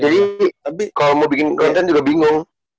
jadi kalau mau bikin konten juga bingung